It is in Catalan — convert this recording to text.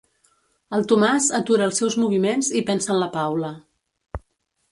El Tomàs atura els seus moviments i pensa en la Paula.